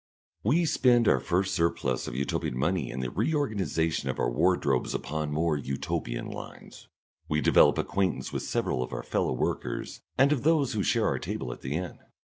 We spend our first surplus of Utopian money in the reorganisation of our wardrobes upon more Utopian lines; we develop acquaintance with several of our fellow workers, and of those who share our table at the inn.